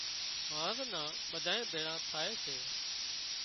هانز نان ٻڌانئين ڀيۯان ٿائي سي